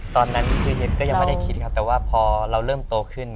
ตอนนั้นคือเห็นก็ยังไม่ได้คิดครับแต่ว่าพอเราเริ่มโตขึ้น